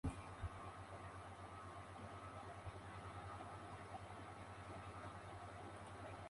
Tras su muerte, Dalí perdió su entusiasmo por vivir.